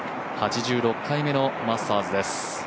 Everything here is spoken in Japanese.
８６回目のマスターズです。